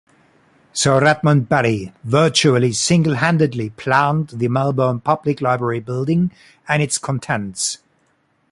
Sir Redmond Barry virtually single-handedly planned the Melbourne Public Library building and its contents.